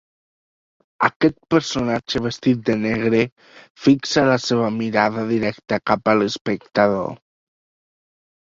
Aquest personatge vestit de negre, fixa la seva mirada directa cap a l'espectador.